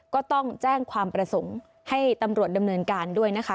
ก็ต้องแจ้งความประสงค์ให้ตำรวจดำเนินการด้วยนะคะ